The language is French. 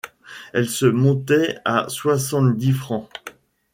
Elle se montait à soixante-dix francs.